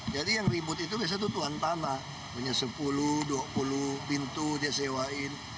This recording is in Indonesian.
jadi yang ribut itu biasanya itu tuan tanah punya sepuluh dua puluh pintu dia sewain